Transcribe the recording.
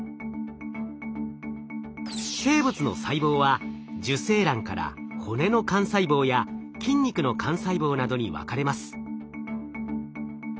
生物の細胞は受精卵から骨の幹細胞や筋肉の幹細胞などに分かれます。